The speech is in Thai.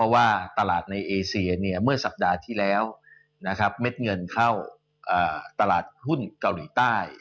ว่าตลาดในเอเซียเมื่อสัปดาห์ที่แล้วเม็ดเงินเข้าตลาดหุ้นเกาหลีใต้